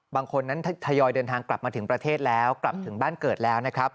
บางคนนั้นทยอยเดินทางกลับมาถึงประเทศแล้วกลับถึงบ้านเกิดแล้วนะครับ